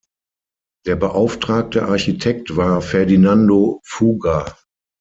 Der beauftragte Architekt war Ferdinando Fuga.